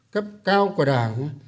cấp cao của đảng